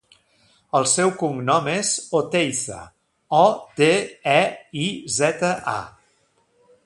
El seu cognom és Oteiza: o, te, e, i, zeta, a.